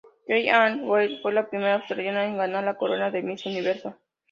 Kerry Anne Wells fue la primera australiana en ganar la corona de Miss Universo.